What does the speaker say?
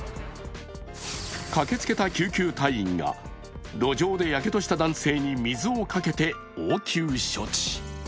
駆けつけた救急隊員が路上でやけどした男性に水をかけて応急処置。